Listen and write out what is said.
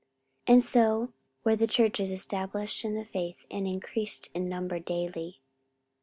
44:016:005 And so were the churches established in the faith, and increased in number daily.